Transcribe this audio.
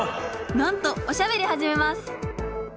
なんとおしゃべりはじめます